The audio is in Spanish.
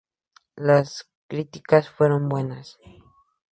Las críticas fueron buenas.